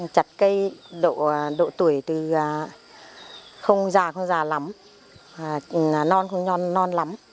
chặt cây độ tuổi từ không già không già lắm non không nhon non lắm